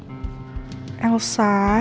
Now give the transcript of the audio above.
mama itu selalu cerewet